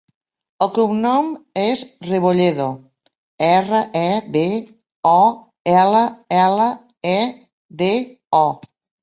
El cognom és Rebolledo: erra, e, be, o, ela, ela, e, de, o.